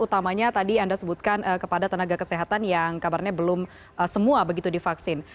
utamanya tadi anda sebutkan kepada tenaga kesehatan yang kabarnya belum semua begitu divaksin